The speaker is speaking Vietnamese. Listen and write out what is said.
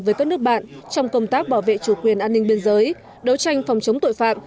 với các nước bạn trong công tác bảo vệ chủ quyền an ninh biên giới đấu tranh phòng chống tội phạm